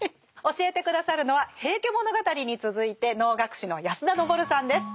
教えて下さるのは「平家物語」に続いて能楽師の安田登さんです。